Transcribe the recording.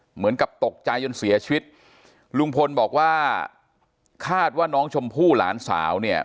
เหมือนกับตกใจจนเสียชีวิตลุงพลบอกว่าคาดว่าน้องชมพู่หลานสาวเนี่ย